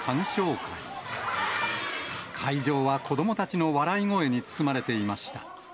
会場は子どもたちの笑い声に包まれていました。